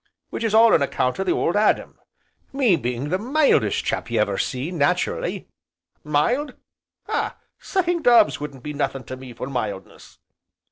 Which is all on account o' the Old Adam, me being the mildest chap you ever see, nat'rally, mild? ah! sucking doves wouldn't be nothin' to me for mildness."